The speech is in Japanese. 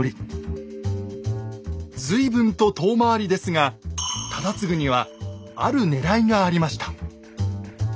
随分と遠回りですが忠次にはあるねらいがありました